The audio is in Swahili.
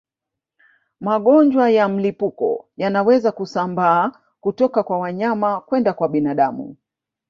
Magonjwa ya mlipuko yanaweza kusambaa kutoka kwa wanyama kwenda kwa binadamu